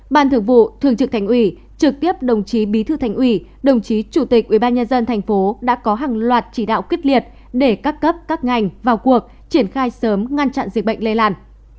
bàn thượng vụ thường trực thành ủy trực tiếp đồng chí bí thư thành ủy đồng chí chủ tịch ubnd thành phố đã có hàng loạt chỉ đạo kích liệt để các cấp các ngành vào cuộc triển khai sớm ngăn chặn dịch bệnh lây làn